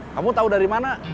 kamu tau dari mana